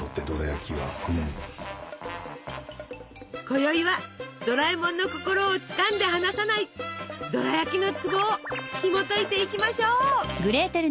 こよいはドラえもんの心をつかんで離さないドラやきのツボをひもといていきましょう！